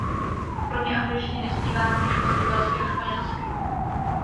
Kromě angličtiny zpívá rovněž portugalsky a španělsky.